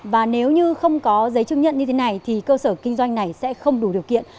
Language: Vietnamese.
và nếu như không có giấy chứng nhận như thế này thì cơ sở kinh doanh này sẽ không đủ điều kiện